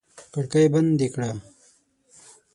کړکۍ بندې کړه!